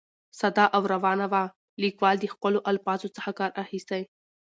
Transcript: ساده او روانه وه، ليکوال د ښکلو الفاظو څخه کار اخیستى.